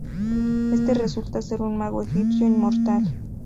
Éste resulta ser un mago egipcio inmortal.